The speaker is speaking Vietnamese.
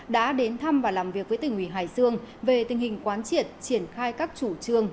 đã đến thăm và làm việc với tỉnh quỳ hải sương về tình hình quán triển triển khai các chủ trương